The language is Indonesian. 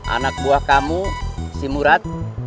anak buah kamu si murat